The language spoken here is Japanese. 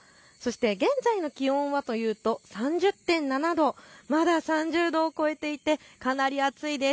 現在の気温はというと３０．７度、まだ３０度を超えていてかなり暑いです。